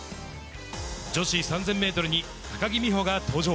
女子３０００メートルに高木美帆が登場。